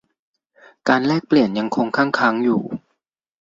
การแลกเปลี่ยนยังคงคั่งค้างอยู่